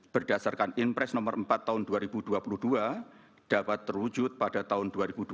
berdasarkan impres nomor empat tahun dua ribu dua puluh dua dapat terwujud pada tahun dua ribu dua puluh